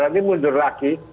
nanti mundur lagi